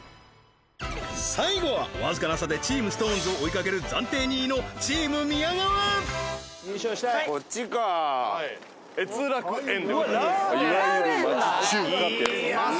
最後はわずかな差でチームＳｉｘＴＯＮＥＳを追いかける暫定２位のチーム宮川こっちかはい悦楽苑でございます